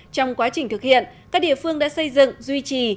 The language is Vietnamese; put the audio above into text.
trong quá trình thực hiện các địa phương đã xây dựng duy trì